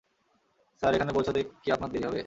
Sir, এখানে পৌঁছাতে কি আপনার দেরী হবে?